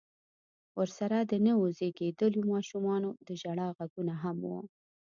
ورسره د نويو زيږېدليو ماشومانو د ژړا غږونه هم و.